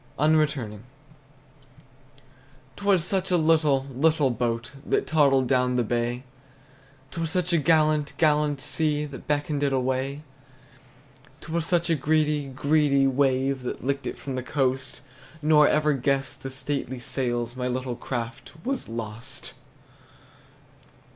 UNRETURNING. 'T was such a little, little boat That toddled down the bay! 'T was such a gallant, gallant sea That beckoned it away! 'T was such a greedy, greedy wave That licked it from the coast; Nor ever guessed the stately sails My little craft was lost!